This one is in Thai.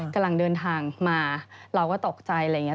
กำลังเดินทางมาเราก็ตกใจอะไรอย่างนี้